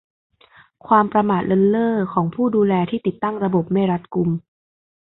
ความประมาทเลินเล่อของผู้ดูแลที่ติดตั้งระบบไม่รัดกุม